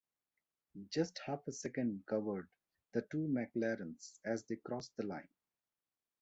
Just half a second covered the two McLarens as they crossed the line.